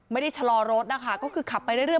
ชะลอรถนะคะก็คือขับไปเรื่อย